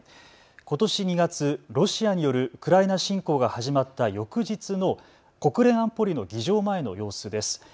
ことし２月、ロシアによるウクライナ侵攻が始まった翌日の国連安保理の議場前の様子です。